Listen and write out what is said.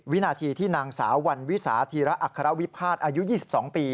วินาทีที่นางสาววันวิสาธีระอัครวิพาทอายุ๒๒ปี